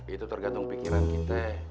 itu tergantung pikiran kita